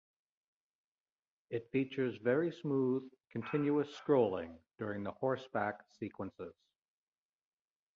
It features very smooth continuous scrolling during the horseback sequences.